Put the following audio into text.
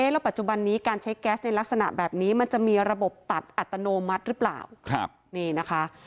แล้วปัจจุบันนี้การใช้แก๊สในลักษณะแบบนี้มันจะมีระบบตัดอัตโนมัติหรือเปล่านี่นะคะ